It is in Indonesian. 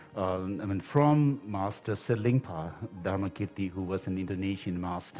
sebenarnya datang dari guru selimba dharma kirti yang adalah guru indonesia